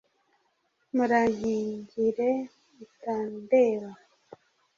Murankingire itandeba,